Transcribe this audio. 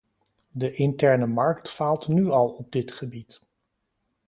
De interne markt faalt nu al op dit gebied.